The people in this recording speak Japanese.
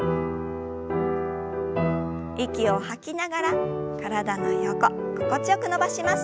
息を吐きながら体の横心地よく伸ばします。